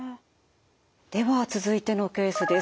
では続いてのケースです。